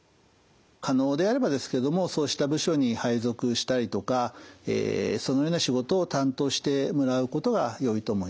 可能であればですけどもそうした部署に配属したりとかそのような仕事を担当してもらうことがよいと思います。